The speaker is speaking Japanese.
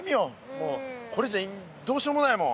もうこれじゃどうしようもないもん。